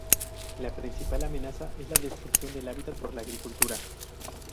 La principal amenaza es la destrucción del hábitat por la agricultura.